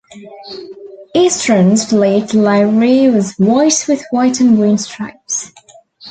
Eastrans fleet livery was white with white and green stripes.